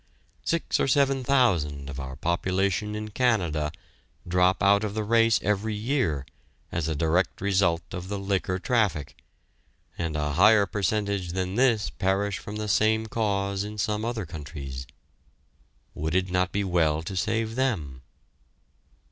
Six or seven thousand of our population in Canada drop out of the race every year as a direct result of the liquor traffic, and a higher percentage than this perish from the same cause in some other countries. Would it not be well to save them?